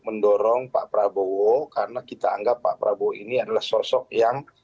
mendorong pak prabowo karena kita anggap pak prabowo ini adalah sosok yang